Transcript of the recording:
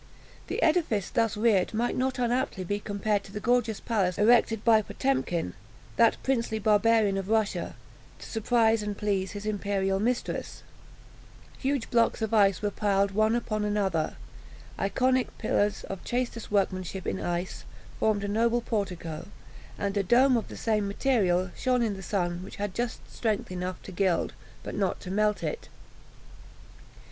The edifice thus reared might not unaptly be compared to the gorgeous palace erected by Potemkin, that princely barbarian of Russia, to surprise and please his imperial mistress: huge blocks of ice were piled one upon another; ionic pillars, of chastest workmanship, in ice, formed a noble portico; and a dome, of the same material, shone in the sun, which had just strength enough to gild, but not to melt it.